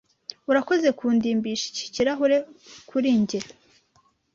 Urakoze kundimbisha iki kirahure kuri njye.